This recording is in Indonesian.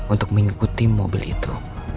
untuk mengikuti mobil itu